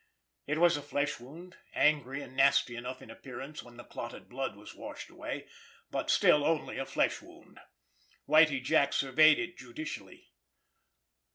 It was a flesh wound, angry and nasty enough in appearance when the clotted blood was washed away, but still only a flesh wound. Whitie Jack surveyed it judicially.